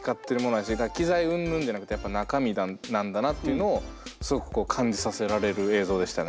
やし機材うんぬんじゃなくてやっぱり中身なんだなっていうのをすごく感じさせられる映像でしたね